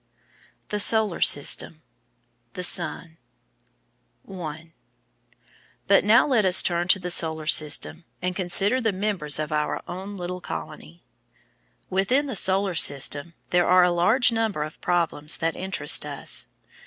THE SOLAR SYSTEM THE SUN § 1 But now let us turn to the Solar System, and consider the members of our own little colony. Within the Solar System there are a large number of problems that interest us.